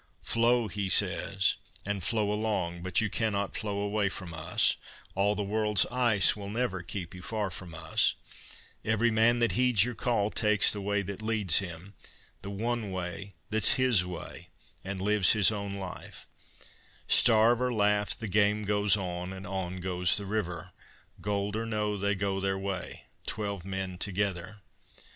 "Flow," he says, "and flow along, but you cannot flow away from us; All the world's ice will never keep you far from us; Every man that heeds your call takes the way that leads him The one way that's his way, and lives his own life: Starve or laugh, the game goes on, and on goes the river; Gold or no, they go their way twelve men together.